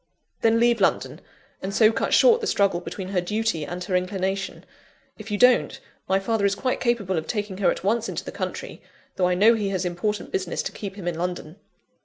"Then leave London; and so cut short the struggle between her duty and her inclination. If you don't, my father is quite capable of taking her at once into the country, though I know he has important business to keep him in London.